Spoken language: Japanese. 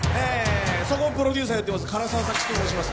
総合プロデューサーやってます唐沢佐吉と申します。